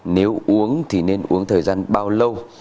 nếu uống thì nên uống thời gian bao lâu